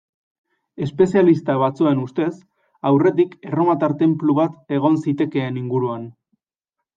Espezialista batzuen ustez, aurretik erromatar tenplu bat egon zitekeen inguruan.